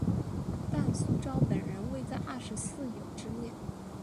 但苏绍本人未在二十四友之列。